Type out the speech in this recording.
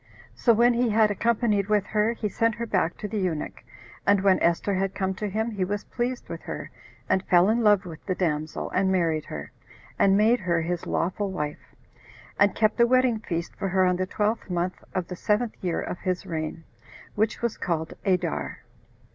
So when he had accompanied with her, he sent her back to the eunuch; and when Esther had come to him, he was pleased with her, and fell in love with the damsel, and married her, and made her his lawful wife, and kept a wedding feast for her on the twelfth month of the seventh year of his reign, which was called Adar.